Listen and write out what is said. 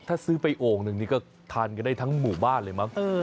ถ้าซื้อไปโอ่งหนึ่งนี่ก็ทานกันได้ทั้งหมู่บ้านเลยมั้ง